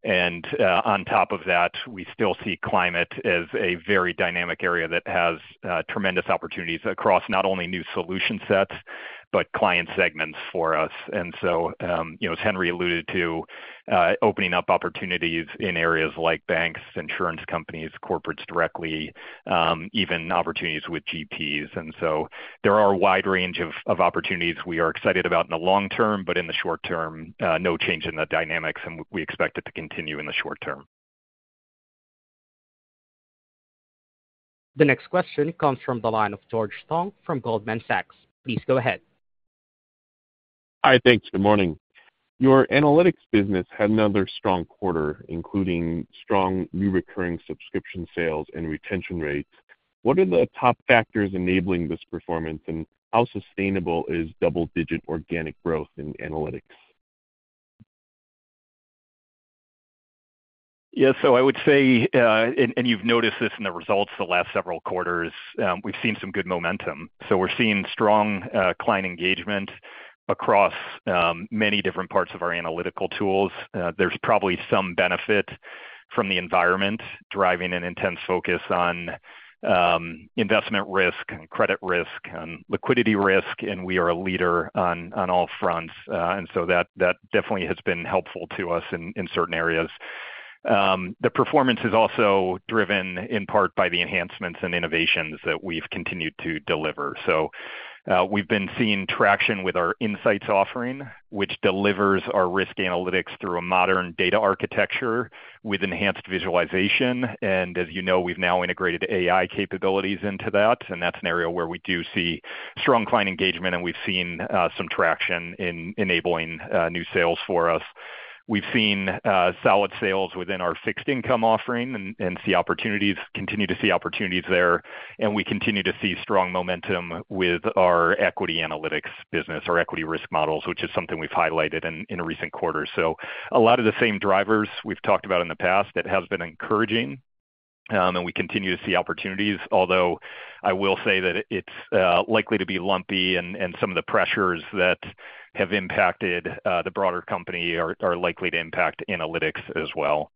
S5: On top of that, we still see climate as a very dynamic area that has tremendous opportunities across not only new solution sets, but client segments for us. So, you know, as Henry alluded to, opening up opportunities in areas like banks, insurance companies, corporates directly, even opportunities with GPs. So there are a wide range of opportunities we are excited about in the long term, but in the short term, no change in the dynamics, and we expect it to continue in the short term.
S1: The next question comes from the line of George Tong from Goldman Sachs. Please go ahead.
S14: Hi. Thanks. Good morning. Your analytics business had another strong quarter, including strong new recurring subscription sales and retention rates. What are the top factors enabling this performance, and how sustainable is double-digit organic growth in analytics?
S5: Yeah, so I would say, and you've noticed this in the results the last several quarters, we've seen some good momentum. So we're seeing strong client engagement across many different parts of our analytical tools. There's probably some benefit from the environment driving an intense focus on investment risk and credit risk and liquidity risk, and we are a leader on all fronts. And so that definitely has been helpful to us in certain areas. The performance is also driven in part by the enhancements and innovations that we've continued to deliver. So we've been seeing traction with our insights offering, which delivers our risk analytics through a modern data architecture with enhanced visualization. As you know, we've now integrated AI capabilities into that, and that's an area where we do see strong client engagement, and we've seen some traction in enabling new sales for us. We've seen solid sales within our fixed income offering and continue to see opportunities there, and we continue to see strong momentum with our equity analytics business or equity risk models, which is something we've highlighted in a recent quarter. So a lot of the same drivers we've talked about in the past that has been encouraging, and we continue to see opportunities. Although, I will say that it's likely to be lumpy and some of the pressures that have impacted the broader company are likely to impact analytics as well.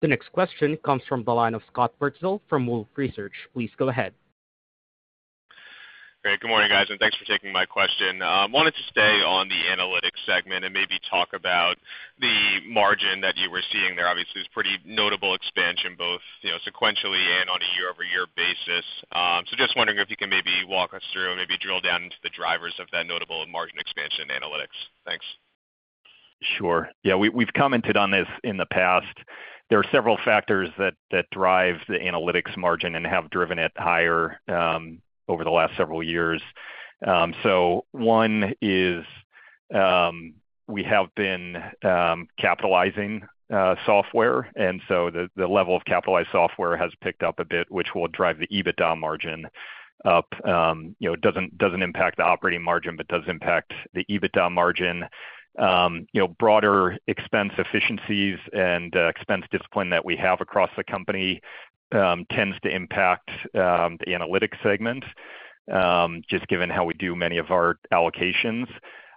S1: The next question comes from the line of Scott Wurtzel from Wolfe Research. Please go ahead.
S15: Great. Good morning, guys, and thanks for taking my question. Wanted to stay on the analytics segment and maybe talk about the margin that you were seeing there. Obviously, it's pretty notable expansion, both, you know, sequentially and on a year-over-year basis. So just wondering if you can maybe walk us through, maybe drill down into the drivers of that notable margin expansion in analytics. Thanks.
S5: Sure. Yeah, we've commented on this in the past. There are several factors that drive the analytics margin and have driven it higher over the last several years. So one is, we have been capitalizing software, and so the level of capitalized software has picked up a bit, which will drive the EBITDA margin up. You know, it doesn't impact the operating margin, but does impact the EBITDA margin. Broader expense efficiencies and expense discipline that we have across the company tends to impact the analytics segment just given how we do many of our allocations.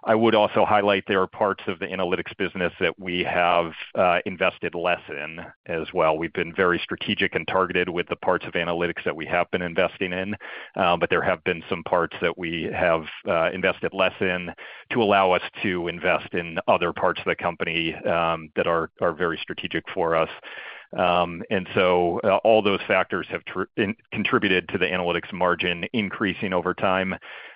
S5: I would also highlight there are parts of the analytics business that we have invested less in as well. We've been very strategic and targeted with the parts of analytics that we have been investing in, but there have been some parts that we have invested less in to allow us to invest in other parts of the company that are very strategic for us. And so all those factors have contributed to the analytics margin increasing over time.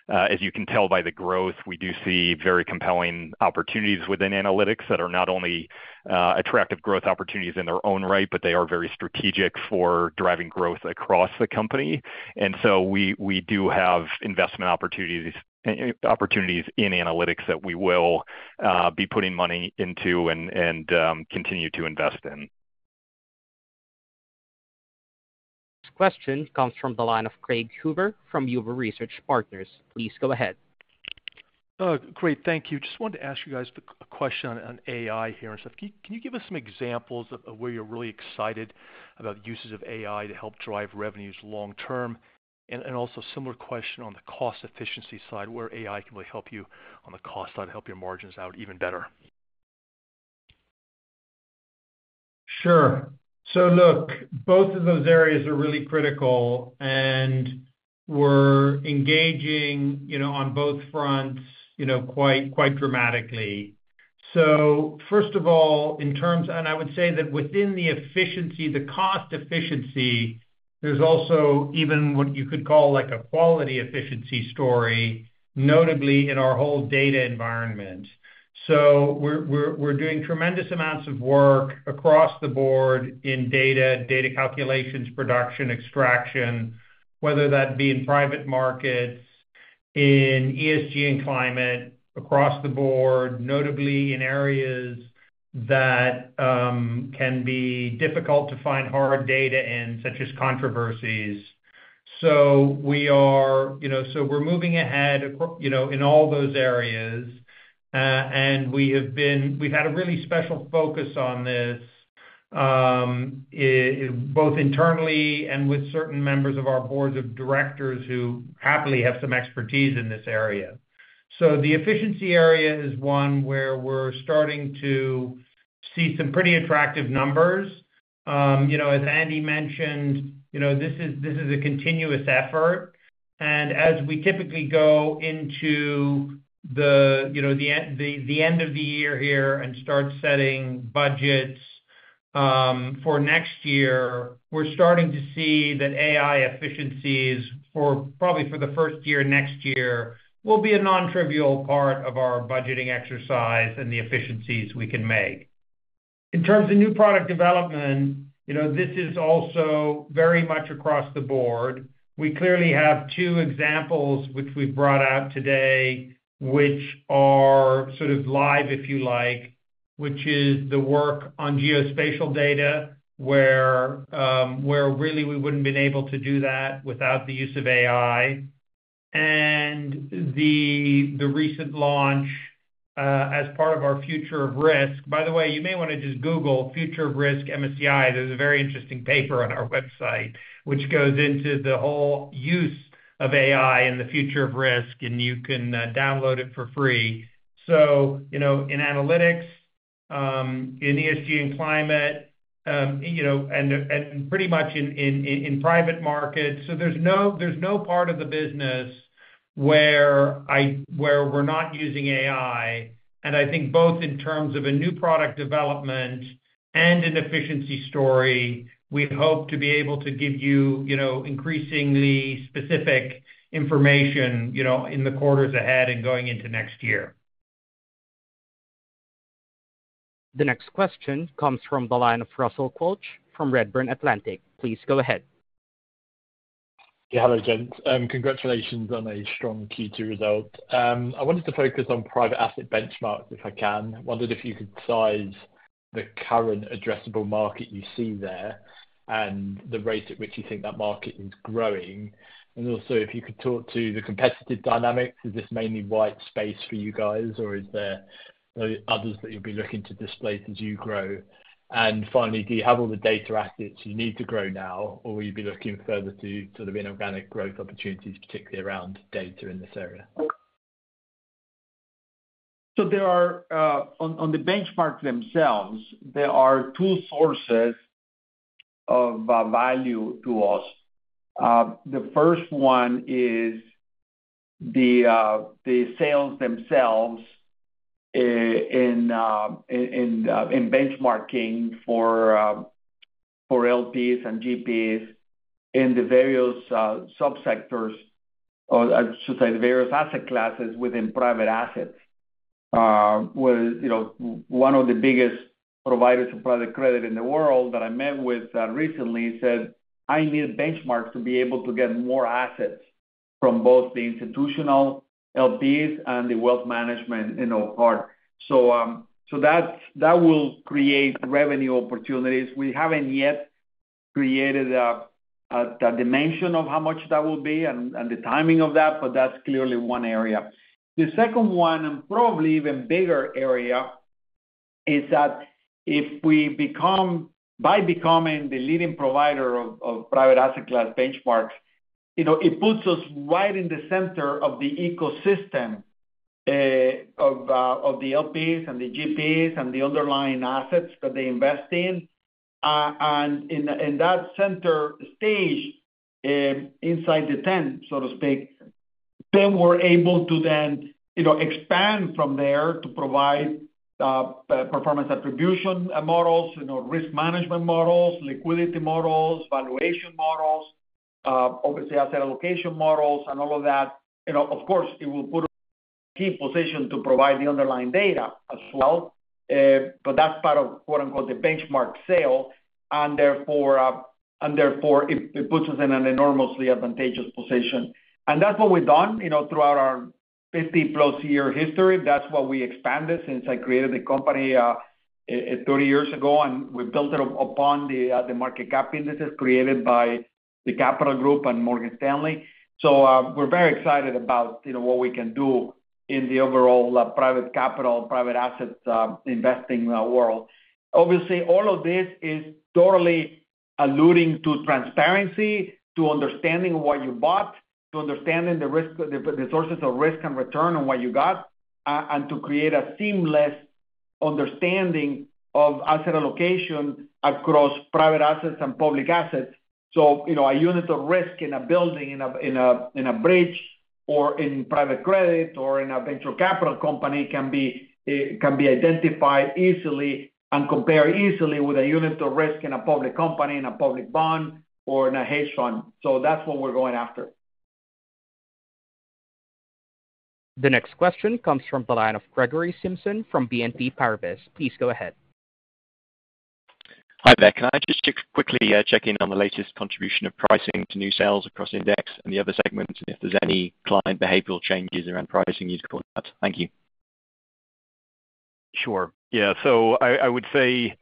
S5: As you can tell by the growth, we do see very compelling opportunities within analytics that are not only attractive growth opportunities in their own right, but they are very strategic for driving growth across the company. And so we do have investment opportunities in analytics that we will be putting money into and continue to invest in.
S1: Question comes from the line of Craig Huber from Huber Research Partners. Please go ahead.
S16: Great, thank you. Just wanted to ask you guys a question on AI here. So can you give us some examples of where you're really excited about the uses of AI to help drive revenues long term? And also a similar question on the cost efficiency side, where AI can really help you on the cost side, help your margins out even better.
S4: Sure. So look, both of those areas are really critical, and we're engaging, you know, on both fronts, you know, quite, quite dramatically. So first of all, in terms, and I would say that within the efficiency, the cost efficiency, there's also even what you could call, like, a quality efficiency story, notably in our whole data environment. So we're doing tremendous amounts of work across the board in data calculations, production, extraction, whether that be in private markets, in ESG and climate, across the board, notably in areas that can be difficult to find hard data in, such as controversies. So we are, you know, so we're moving ahead, you know, in all those areas, and we've had a really special focus on this, both internally and with certain members of our Boards of Directors who happily have some expertise in this area. So the efficiency area is one where we're starting to see some pretty attractive numbers. You know, as Andy mentioned, you know, this is a continuous effort, and as we typically go into the end of the year here and start setting budgets for next year, we're starting to see that AI efficiencies for probably the first year next year will be a nontrivial part of our budgeting exercise and the efficiencies we can make. In terms of new product development, you know, this is also very much across the board. We clearly have two examples, which we've brought out today, which are sort of live, if you like, which is the work on geospatial data, where really we wouldn't been able to do that without the use of AI, and the recent launch as part of our Future of Risk. By the way, you may want to just google Future of Risk MSCI. There's a very interesting paper on our website, which goes into the whole use of AI and the future of risk, and you can download it for free. So, you know, in analytics, in ESG and Climate, you know, and pretty much in private markets. So there's no part of the business where I, where we're not using AI. I think both in terms of a new product development and an efficiency story, we hope to be able to give you, you know, increasingly specific information, you know, in the quarters ahead and going into next year.
S1: The next question comes from the line of Russell Quelch from Redburn Atlantic. Please go ahead.
S17: Yeah, hello, gents. Congratulations on a strong Q2 result. I wanted to focus on private asset benchmarks, if I can. I wondered if you could size the current addressable market you see there, and the rate at which you think that market is growing. And also, if you could talk to the competitive dynamics. Is this mainly white space for you guys, or is there others that you'll be looking to displace as you grow? And finally, do you have all the data assets you need to grow now, or will you be looking further to sort of inorganic growth opportunities, particularly around data in this area?
S3: So there are, on the benchmarks themselves, there are two sources of value to us. The first one is the, the sales themselves in benchmarking for LPs and GPs in the various subsectors, or I should say, the various asset classes within private assets. Where, you know, one of the biggest providers of private credit in the world that I met with recently said, "I need benchmarks to be able to get more assets from both the institutional LPs and the wealth management, you know, part." So, that will create revenue opportunities. We haven't yet created a dimension of how much that will be and the timing of that, but that's clearly one area. The second one, and probably even bigger area, is that if we become by becoming the leading provider of private asset class benchmarks, you know, it puts us right in the center of the ecosystem of the LPs and the GPs and the underlying assets that they invest in. And in that center stage inside the tent, so to speak, then we're able to then, you know, expand from there to provide performance attribution models, you know, risk management models, liquidity models, valuation models, obviously, asset allocation models and all of that. You know, of course, it will put us in a key position to provide the underlying data as well, but that's part of the quote, unquote, "the benchmark sale," and therefore it puts us in an enormously advantageous position. That's what we've done, you know, throughout our 50-plus year history. That's what we expanded since I created the company, 30 years ago, and we built it upon the, the market cap indices created by the Capital Group and Morgan Stanley. So, we're very excited about, you know, what we can do in the overall private capital, private assets, investing world. Obviously, all of this is thoroughly alluding to transparency, to understanding what you bought, to understanding the risk, the sources of risk and return on what you got, and to create a seamless understanding of asset allocation across private assets and public assets. So, you know, a unit of risk in a building, in a bridge or in private credit or in a venture capital company can be identified easily and compared easily with a unit of risk in a public company, in a public bond or in a hedge fund. So that's what we're going after.
S1: The next question comes from the line of Gregory Simpson from BNP Paribas. Please go ahead.
S18: Hi there. Can I just quickly check in on the latest contribution of pricing to new sales across Index and the other segments, and if there's any client behavioral changes around pricing this quarter? Thank you.
S5: Sure. Yeah, so I, I would say,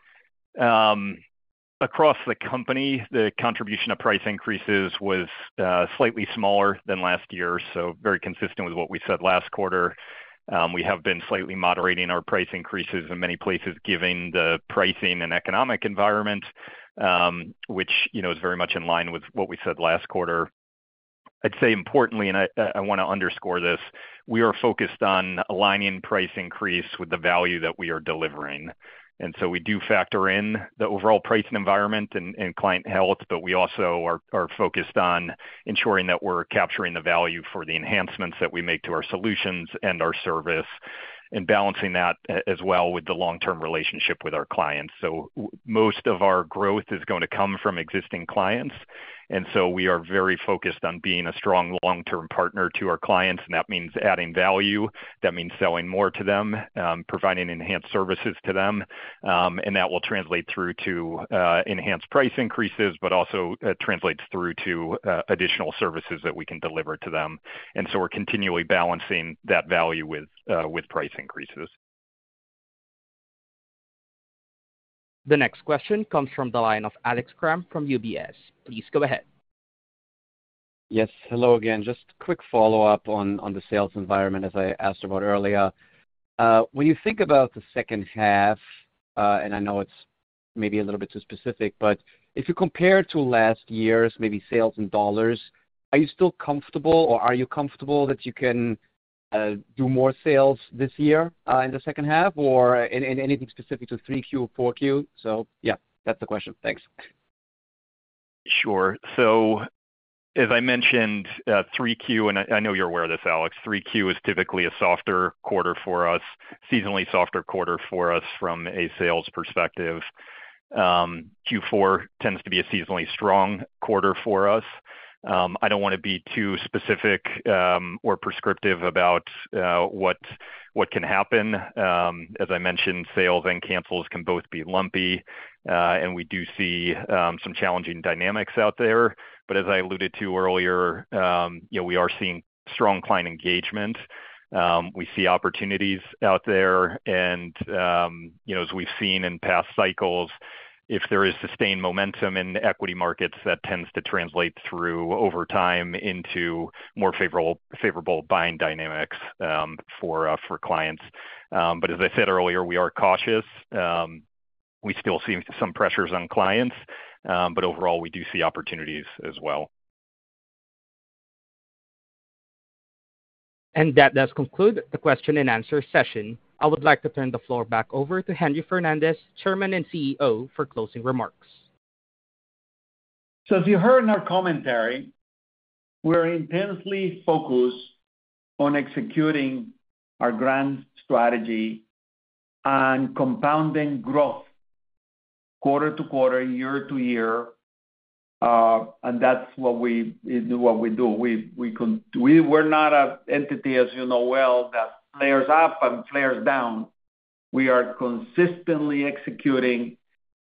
S5: across the company, the contribution of price increases was, slightly smaller than last year. So very consistent with what we said last quarter. We have been slightly moderating our price increases in many places, giving the pricing and economic environment, which, you know, is very much in line with what we said last quarter. I'd say importantly, and I, I want to underscore this, we are focused on aligning price increase with the value that we are delivering. And so we do factor in the overall pricing environment and, and client health, but we also are, are focused on ensuring that we're capturing the value for the enhancements that we make to our solutions and our service, and balancing that as well with the long-term relationship with our clients. So most of our growth is going to come from existing clients, and so we are very focused on being a strong long-term partner to our clients, and that means adding value, that means selling more to them, providing enhanced services to them, and that will translate through to enhanced price increases, but also translates through to additional services that we can deliver to them. And so we're continually balancing that value with price increases.
S1: The next question comes from the line of Alex Kramm from UBS. Please go ahead.
S6: Yes, hello again. Just a quick follow-up on, on the sales environment, as I asked about earlier. When you think about the second half, and I know it's maybe a little bit too specific, but if you compare to last year's, maybe sales in dollars, are you still comfortable, or are you comfortable that you can do more sales this year, in the second half, or anything specific to 3Q, 4Q? So yeah, that's the question. Thanks.
S5: Sure. So as I mentioned, 3Q, and I know you're aware of this, Alex, 3Q is typically a softer quarter for us, seasonally softer quarter for us from a sales perspective. Q4 tends to be a seasonally strong quarter for us. I don't wanna be too specific, or prescriptive about, what can happen. As I mentioned, sales and cancels can both be lumpy, and we do see, some challenging dynamics out there. But as I alluded to earlier, you know, we are seeing strong client engagement. We see opportunities out there, and, you know, as we've seen in past cycles, if there is sustained momentum in the equity markets, that tends to translate through over time into more favorable buying dynamics, for clients. But as I said earlier, we are cautious. We still see some pressures on clients, but overall, we do see opportunities as well.
S1: That does conclude the question and answer session. I would like to turn the floor back over to Henry Fernandez, Chairman and CEO, for closing remarks.
S3: So as you heard in our commentary, we're intensely focused on executing our grand strategy and compounding growth quarter to quarter, year to year, and that's what we do. We're not an entity, as you know well, that flares up and flares down. We are consistently executing,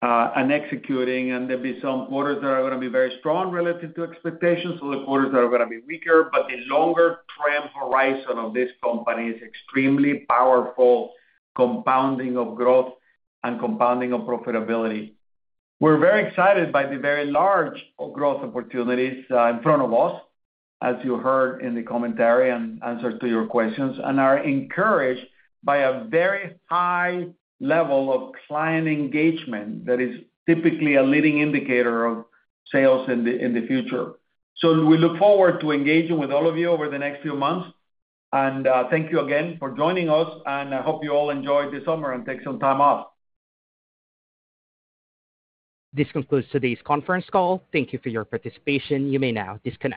S3: and executing, and there'll be some quarters that are gonna be very strong relative to expectations, other quarters that are gonna be weaker, but the longer trend horizon of this company is extremely powerful, compounding of growth and compounding of profitability. We're very excited by the very large growth opportunities in front of us, as you heard in the commentary and answers to your questions, and are encouraged by a very high level of client engagement that is typically a leading indicator of sales in the future. So we look forward to engaging with all of you over the next few months. Thank you again for joining us, and I hope you all enjoy the summer and take some time off.
S1: This concludes today's conference call. Thank you for your participation. You may now disconnect.